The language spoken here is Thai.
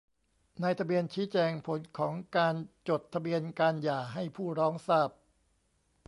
นายทะเบียนชี้แจงผลของการจดทะเบียนการหย่าให้ผู้ร้องทราบ